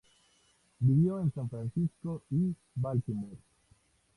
Vivió en San Francisco y Baltimore.